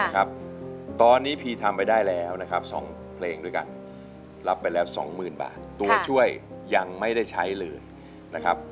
ครับตอนนี้พีทำไปได้แล้วนะครับ๒เพลงด้วยกันรับไปแล้ว๒๐๐๐บาทตัวช่วยยังไม่ได้ใช้เลยนะครับ